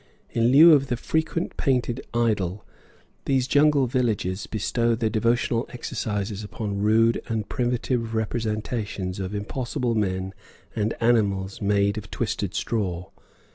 In lieu of the frequent painted idol, these jungle villagers bestow their devotional exercises upon rude and primitive representations of impossible men and animals made of twisted straw.